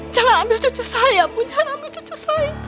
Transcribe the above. jangan ambil cucu saya pun jangan ambil cucu saya